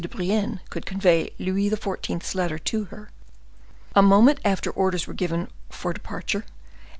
de Brienne could convey Louis XIV.'s letter to her. A moment after orders were given for departure, and M.